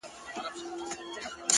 خدای په ژړا دی _ خدای پرېشان دی _